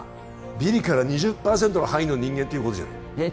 ビリから２０％の範囲の人間っていうことじゃないえっ